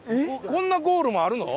こんなゴールもあるの？